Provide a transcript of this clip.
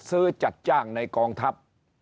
ซื้อจัดจ้างในกองทัพ